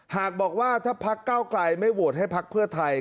หากบอกว่าถ้าพักเก้าไกลไม่โหวตให้พักเพื่อไทย